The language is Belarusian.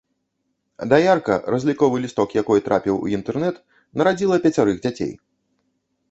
Даярка, разліковы лісток якой трапіў у інтэрнэт, нарадзіла пяцярых дзяцей.